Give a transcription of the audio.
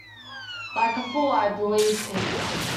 Like a fool, I believed him.